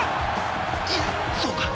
いやそうか。